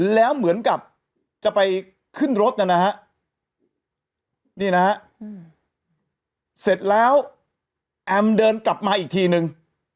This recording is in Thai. แล้วเหมือนกับจะไปขึ้นรถนะฮะนี่นะฮะเสร็จแล้วแอมเดินกลับมาอีกทีนึง